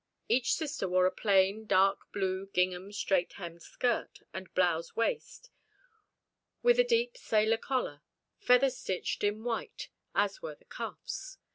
Each sister wore a plain, dark blue gingham, straight hemmed skirt and blouse waist, with a deep sailor collar, feather stitched in white, as were the cuffs.